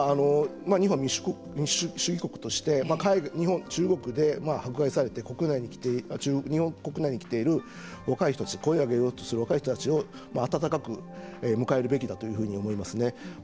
日本は民主主義国として中国で迫害されて日本国内に来ている若い人たち声を上げようとする若い人たちを温かく迎えるべきだというふうに思いますね。